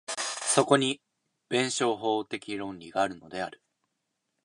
そこに弁証法的論理があるのである。